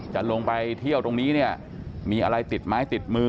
จะลงไปเที่ยวตรงนี้เนี่ยมีอะไรติดไม้ติดมือ